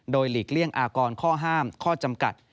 โดยหลีกเลี่ยงอากรข้อห้ามข้อจำกัด